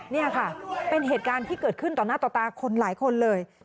นี่ค่ะเป็นเหตุการณ์ที่เกิดขึ้นต่อหน้าต่อตาคนหลายคนเลย